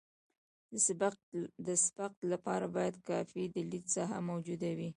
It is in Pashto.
د سبقت لپاره باید کافي د لید ساحه موجوده وي